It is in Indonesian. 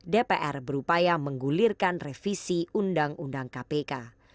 dpr berupaya menggulirkan revisi undang undang kpk